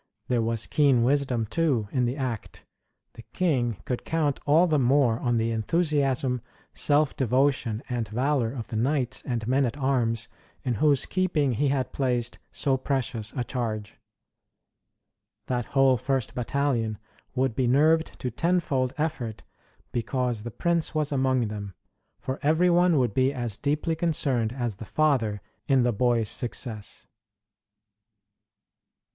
There was keen wisdom, too, in the act. The king could count all the more on the enthusiasm, self devotion and valor of the knights and men at arms, in whose keeping he had placed so precious a charge. That whole first battalion would be nerved to tenfold effort because the prince was among them, for every one would be as deeply concerned as the father in the boy's success.